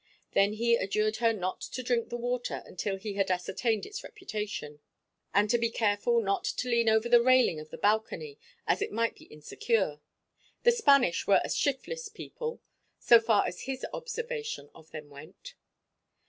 Then he adjured her not to drink the water until he had ascertained its reputation, and to be careful not to lean over the railing of the balcony, as it might be insecure; the Spanish were a shiftless people, so far as his observation of them went.